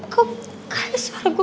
kok gak ada suara gue